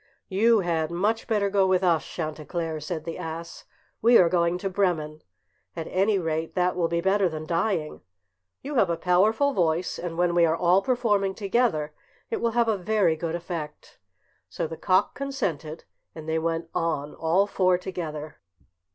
"You had much better go with us, Chanticleer," said the ass. "We are going to Bremen. At any rate that will be better than dying. You have a powerful voice, and when we are all performing together it will have a very good effect." So the cock consented, and they went on all four together.